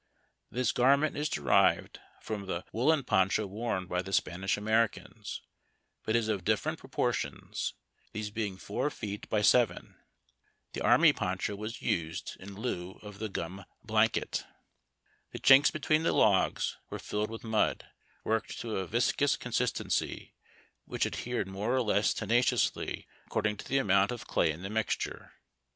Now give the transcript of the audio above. This garment is derived from the woollen poncho worn by the Spanish Americans, but is of different proportions, these being four feet by seven. The army poncho was used in ,,'/ lieu of the gum blanket. The chinks between the logs were filled with mud, worked to a viscous consistency, which adhered more or less tenaciously according to the amount of clay in the mixture.